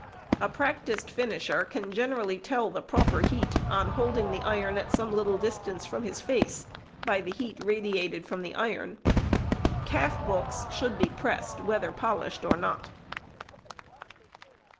A practised finisher can generally tell the proper heat on holding the iron at some little distance from his face, by the heat radiated from the iron. Calf books should be pressed, whether polished or not.